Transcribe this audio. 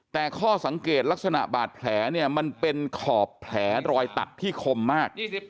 แต่ข้อสังเกตลักษณะบาดแผลเนี่ยมันเป็นขอบแผลรอยตัดที่คมมาก